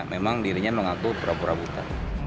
memang dirinya mengaku pura pura buta